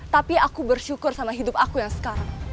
tapi aku bersyukur sama hidup aku yang sekarang